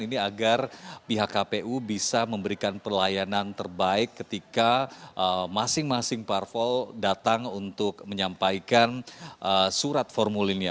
ini agar pihak kpu bisa memberikan pelayanan terbaik ketika masing masing parpol datang untuk menyampaikan surat formulimnya